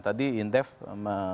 tadi indef mengkata